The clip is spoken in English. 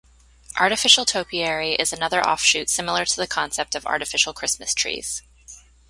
Artificial topiary is another offshoot similar to the concept of artificial Christmas trees.